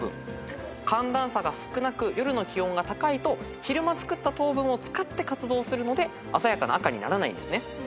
寒暖差が少なく夜の気温が高いと昼間作った糖分を使って活動するので鮮やかな赤にならないんですね。